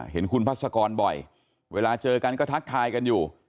เห็นคุณพัศกรบ่อยเวลาเจอกันก็ทักทายกันอยู่